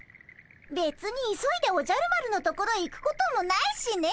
べつに急いでおじゃる丸のところへ行くこともないしね。